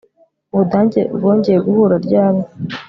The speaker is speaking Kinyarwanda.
Ubudage bwongeye guhura ryari